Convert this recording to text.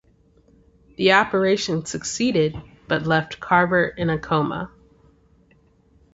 The operation succeeded, but left Carver in a coma.